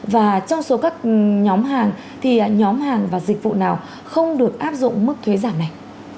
và trong số các nhóm hàng thì nhóm hàng và dịch vụ nào không được áp dụng mức thuế giảm này